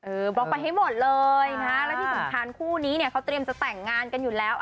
เออบล็อกไปให้หมดเลยค่ะแล้วที่สำคัญคู่นี้เนี่ยเขาอยู่เตรียมแสดงงานอยู่แล้ว